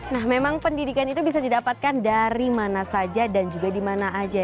nah memang pendidikan itu bisa didapatkan dari mana saja dan juga dimana saja